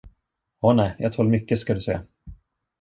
Å nej, jag tål mycket, ska du se.